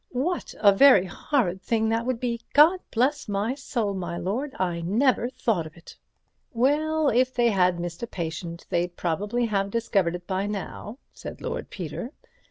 "What a very horrid thing that would be—God bless my soul, my lord, I never thought of it." "Well, if they had missed a patient they'd probably have discovered it by now," said Lord Peter.